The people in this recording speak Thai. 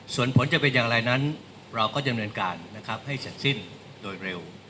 ส่วนผลจะเป็นอย่างไรนั้นเราก็ดำเนินการนะครับให้เสร็จสิ้นโดยเร็ว